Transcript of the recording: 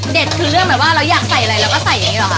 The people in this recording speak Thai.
คือเรื่องแบบว่าเราอยากใส่อะไรเราก็ใส่อย่างนี้หรอคะ